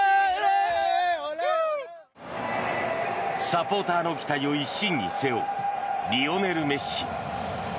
サポーターの期待を一身に背負うリオネル・メッシ。